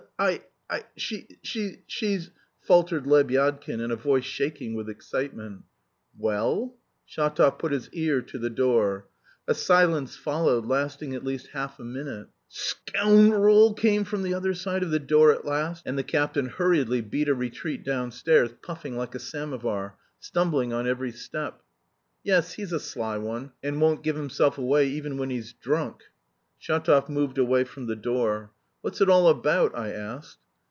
"I... I... she's... she's..." faltered Lebyadkin in a voice shaking with excitement. "Well?" Shatov put his ear to the door. A silence followed, lasting at least half a minute. "Sc ou oundrel!" came from the other side of the door at last, and the captain hurriedly beat a retreat downstairs, puffing like a samovar, stumbling on every step. "Yes, he's a sly one, and won't give himself away even when he's drunk." Shatov moved away from the door. "What's it all about?" I asked.